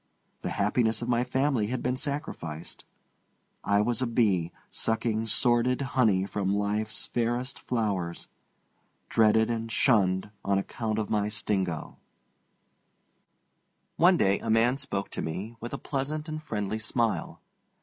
The happiness of my family had been sacrificed. I was a bee, sucking sordid honey from life's fairest flowers, dreaded and shunned on account of my sting. One day a man spoke to me, with a pleasant and friendly smile.